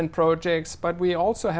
trong các thủ tướng